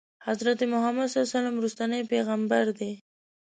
حضرت محمد صلی الله علیه وسلم وروستنی پیغمبر دی.